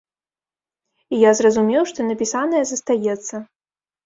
І я зразумеў, што напісанае застаецца.